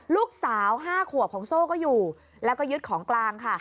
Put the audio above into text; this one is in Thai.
ลูกสาว๕ขวบของโซ่ก็อยู่แล้วก็ยึดของกลางค่ะ